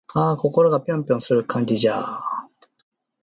あぁ〜心がぴょんぴょんするんじゃぁ〜